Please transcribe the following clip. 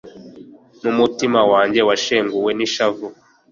n'umutima wanjye washenguwe n'ishavu